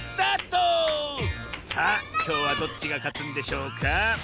さあきょうはどっちがかつんでしょうか？